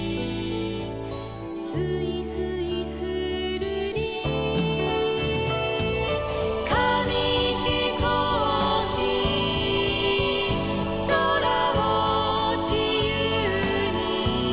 「すいすいするり」「かみひこうき」「そらをじゆうに」